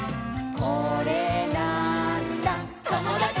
「これなーんだ『ともだち！』」